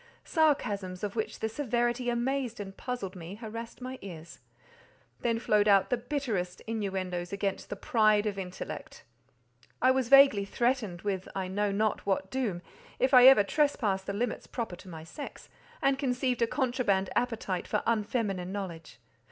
Sarcasms of which the severity amazed and puzzled me, harassed my ears; then flowed out the bitterest inuendoes against the "pride of intellect." I was vaguely threatened with I know not what doom, if I ever trespassed the limits proper to my sex, and conceived a contraband appetite for unfeminine knowledge.